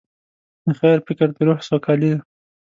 د خیر فکر د روح سوکالي ده.